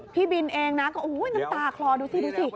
พี่บินเองนะโอ้โหน้ำตาคลอดูสิ